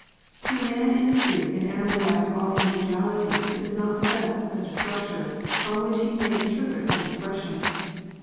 To the man in the street an animal lacks all individuality if it does not possess such a structure, on which he may interpret some expression.